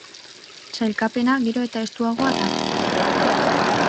Sailkapena gero eta estuago dago.